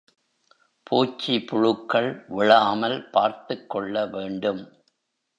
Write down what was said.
பூச்சி புழுக்கள் விழாமல் பார்த்துக் கொள்ளவேண்டும்.